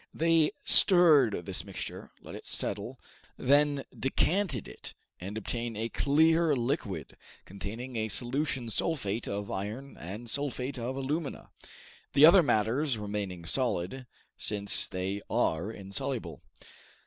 They stirred this mixture, let it settle, then decanted it, and obtained a clear liquid containing in solution sulphate of iron and sulphate of alumina, the other matters remaining solid, since they are insoluble.